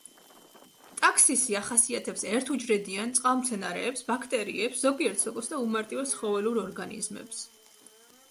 ტაქსისი ახასიათებს ერთუჯრედიან წყალმცენარეებს, ბაქტერიებს, ზოგიერთ სოკოს და უმარტივეს ცხოველურ ორგანიზმებს.